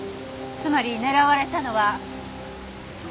つまり狙われたのは。